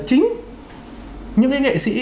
chính những cái nghệ sĩ